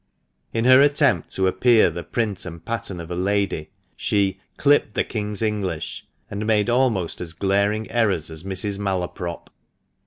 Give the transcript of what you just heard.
In her attempt to appear the print and pattern of a lady, she "clipped the King's English," and made almost as glaring errors as Mrs. Malaprop.